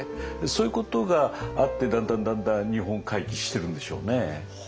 そういうことがあってだんだんだんだん日本回帰してるんでしょうね。